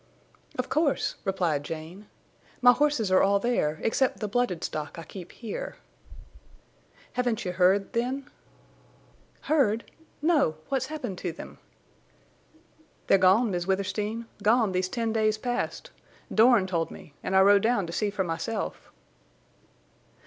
"Of course," replied Jane. "My horses are all there, except the blooded stock I keep here." "Haven't you heard—then?" "Heard? No! What's happened to them?" "They're gone, Miss Withersteen, gone these ten days past. Dorn told me, and I rode down to see for myself."